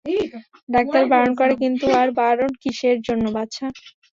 Doctor বারণ করে–কিন্তু আর বারণ কিসের জন্য, বাছা।